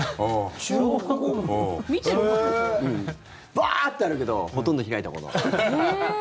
バーッてあるけどほとんど開いたことない。